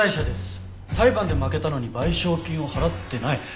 「裁判で負けたのに賠償金を払ってない極悪人です」